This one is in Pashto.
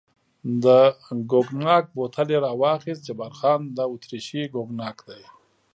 د کوګناک بوتل یې را واخیست، جبار خان: دا اتریشي کوګناک دی.